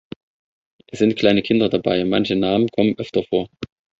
Es sind kleine Kinder dabei, manche Namen kommen öfter vor.